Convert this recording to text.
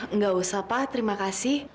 enggak usah pak terima kasih